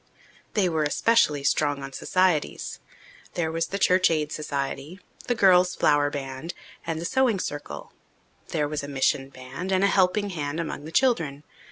They were especially strong on societies. There was the Church Aid Society, the Girls' Flower Band, and the Sewing Circle. There was a Mission Band and a Helping Hand among the children.